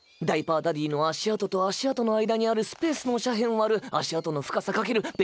ダイパー・ダディーの足跡と足跡の間にあるスペースの斜辺割る足跡の深さかける